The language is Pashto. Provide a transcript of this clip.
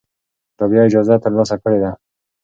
رابعه اجازه ترلاسه کړې ده.